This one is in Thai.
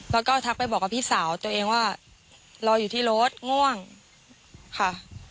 แล้วก็ทักไปบอกกับพี่สาวตัวเองว่ารออยู่ที่รถง่วงค่ะ